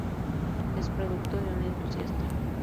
Es producto de un entusiasta.